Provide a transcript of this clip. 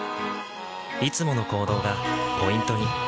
いつもの行動がポイントに。